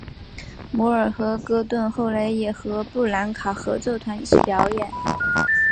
摩尔和戈顿后来也和布兰卡合奏团一起表演。